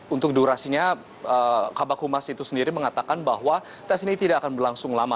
untuk durasinya kabak humas itu sendiri mengatakan bahwa tes ini tidak akan berlangsung lama